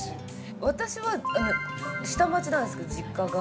私は下町なんですけど実家が。